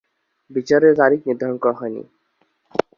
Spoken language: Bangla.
বিচারের তারিখ নির্ধারণ করা হয়নি।